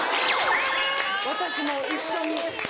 私も一緒に。